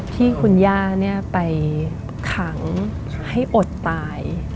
ที่คุณย่าไปขังให้อดตาย